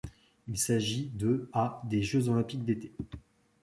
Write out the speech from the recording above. Il s'agit de à des Jeux olympiques d'été.